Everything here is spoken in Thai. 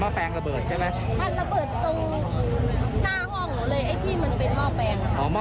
มันระเบิดตรงหน้าห้องหนูเลยไอ้พี่มันเป็นมอบแรง